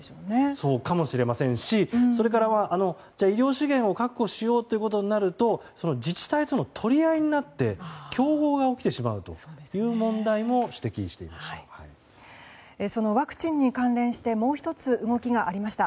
そうかもしれませんしそれから、医療資源を確保しようということになると自治体との取り合いになって競合が起きてしまうという問題も指摘していました。